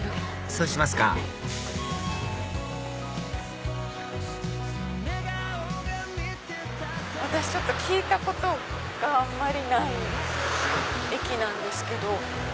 そうしますか私ちょっと聞いたことがあまりない駅なんですけど。